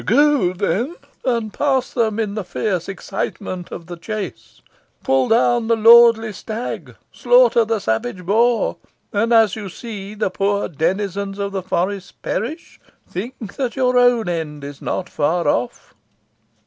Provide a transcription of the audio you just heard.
Go, then, and pass them in the fierce excitement of the chase. Pull down the lordly stag slaughter the savage boar; and, as you see the poor denizens of the forest perish, think that your own end is not far off.